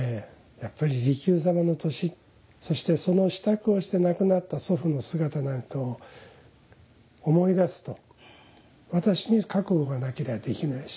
やっぱり利休様の年そしてその支度をして亡くなった祖父の姿なんかを思い出すと私に覚悟がなけりゃできないし。